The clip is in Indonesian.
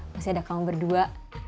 masih ada kamu berdua